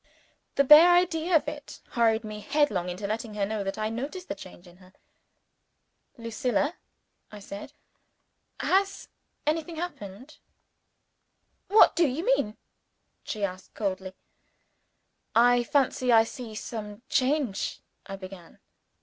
The bare idea of it hurried me headlong into letting her know that I had noticed the change in her. "Lucilla!" I said. "Has anything happened?" "What do you mean?" she asked coldly. "I fancy I see some change " I began.